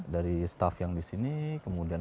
dari staff yang di sini kemudian